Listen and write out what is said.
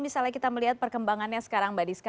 misalnya kita melihat perkembangannya sekarang mbak diska